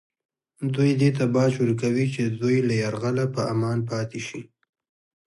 دوی دې ته باج ورکوي چې د دوی له یرغله په امان پاتې شي